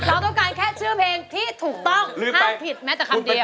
เราต้องการแค่ชื่อเพลงที่ถูกต้องห้ามผิดแม้แต่คำเดียว